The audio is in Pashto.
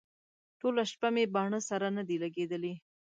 ټوله شپه مې باڼه سره نه دي لګېدلي.